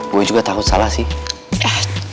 gue juga takut sama boy banget